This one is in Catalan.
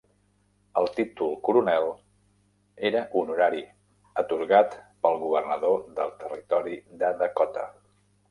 El títol "coronel" era honorari, atorgat pel governador del territori de Dakota.